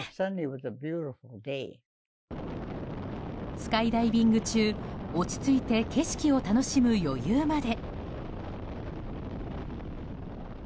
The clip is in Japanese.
スカイダイビング中落ち着いて景色を楽しむ余裕まで。